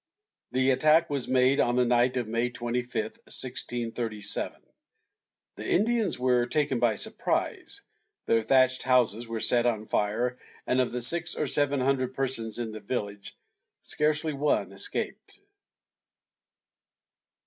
The attack was made on the night of May 25, 1637, the Indians were taken by surprise, their thatched houses were set on fire, and of the six or seven hundred persons in the village, scarcely one escaped.